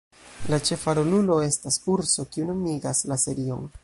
La ĉefa rolulo estas urso kiu nomigas la serion.